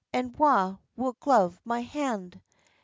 And wha will glove my hand?